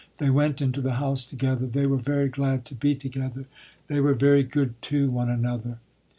They went into the house together. They were very glad to be together. They were very good to one another.